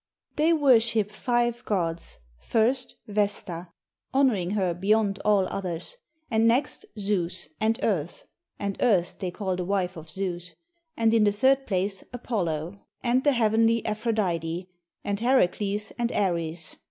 They worship five Gods; first Vesta, honoring her be yond all others, and next Zeus and Earth (and Earth they call the wife of Zeus) and in the third place Apollo, IS RUSSIA and the Heavenly Aphrodite, and Heracles, and Ares.